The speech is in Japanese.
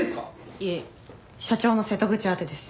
いえ社長の瀬戸口宛てです。